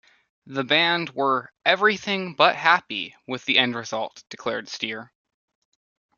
The band were "everything but happy" with the end result, declared Steer.